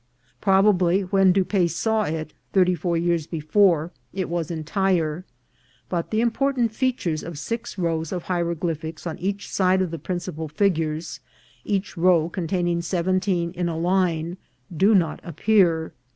Probably, when Dupaix saw it (thirty four years before), it was entire, but the important features of six rows of hieroglyphics on each side of the principal figures, each row con taining seventeen in a line, do not appear.